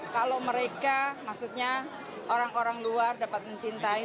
kalau mereka maksudnya orang orang luar dapat mencintai